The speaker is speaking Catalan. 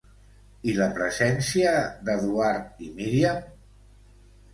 I la presència d'Eduard i Míriam?